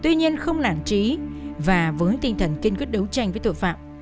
tuy nhiên không nản trí và với tinh thần kinh cướp đấu tranh với tội phạm